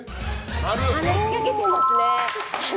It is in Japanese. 話しかけてますね。